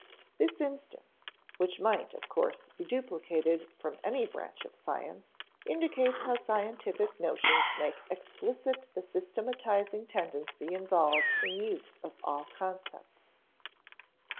This instance (which might, of course, be duplicated from any branch of science) indicates how scientific notions make explicit the systematizing tendency involved in all use of concepts.